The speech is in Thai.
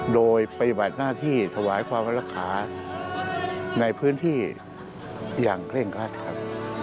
โดยปฏิบัติหน้าที่ถวายความรักษาในพื้นที่อย่างเคร่งครัดครับ